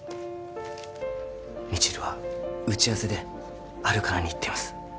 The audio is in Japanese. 未知留は打ち合わせでハルカナに行っています